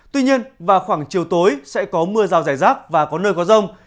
tuy nhiên vào khoảng chiều tối sẽ có mưa rào rải rác và có nơi có rông